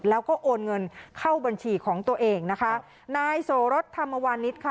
แล้วก็โอนเงินเข้าบัญชีของตัวเองนะคะนายโสรสธรรมวานิสค่ะ